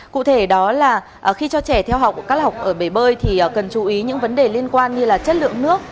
cụ thể đó là khi cho trẻ theo học cắt học ở bể bơi thì cần chú ý những vấn đề liên quan như là chất lượng nước